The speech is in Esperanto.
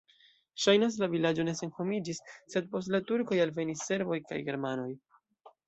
Ŝajnas, la vilaĝo ne senhomiĝis, sed post la turkoj alvenis serboj kaj germanoj.